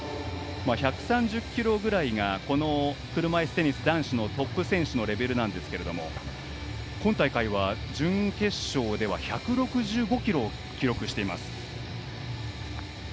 １３０キロぐらいがこの車いすテニスの男子のトップ選手のレベルなんですが今大会は、準決勝では１６５キロを記録しています。